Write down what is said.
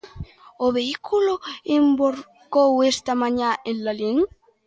O vehículo envorcou esta mañá en Lalín.